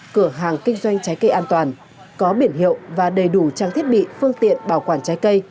cửa hàng kinh doanh trái cây an toàn có biển hiệu và đầy đủ trang thiết bị phương tiện bảo quản trái cây